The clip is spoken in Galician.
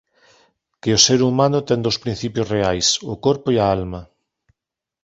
Que o ser humano ten dous principios reais: o corpo e a alma.